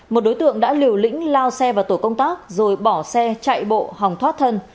một đối tượng đã liều lĩnh lao xe vào tổ công tác rồi bỏ xe chạy bộ hòng thoát thân